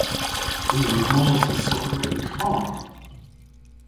I a wrug mos dhe Stockholm yn karr.